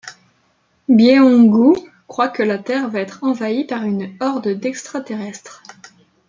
Byeong-gu croit que la Terre va être envahie par une horde d'extra-terrestres.